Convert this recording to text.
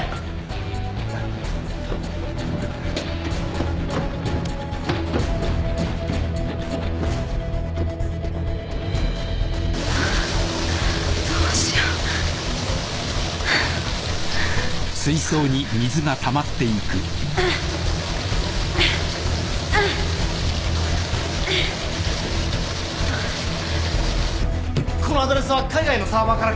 このアドレスは海外のサーバーから経由しています。